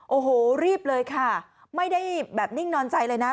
โอ้โหรีบเลยค่ะไม่ได้แบบนิ่งนอนใจเลยนะ